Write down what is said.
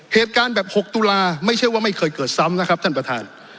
เหตุการณ์แบบ๖ตุลาไม่ใช่ว่าไม่เคยเกิดซ้ำนะครับท่านประธาน